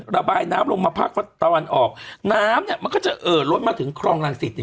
ระบายน้ำลงมาภาคตะวันออกน้ำเนี่ยมันก็จะเอ่อล้นมาถึงคลองรังสิต